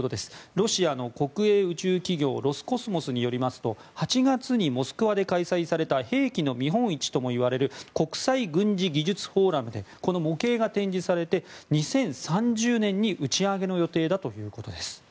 ロシアの国営宇宙企業ロスコスモスによりますと８月にモスクワで開催された兵器の見本市ともいわれる国際軍事技術フォーラムでこの模型が展示されて２０３０年に打ち上げの予定だということです。